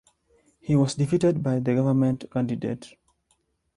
He was defeated by the Government candidate.